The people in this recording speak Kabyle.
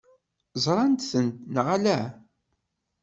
Ẓṛant-ten neɣ ala?